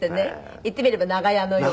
言ってみれば長屋のような。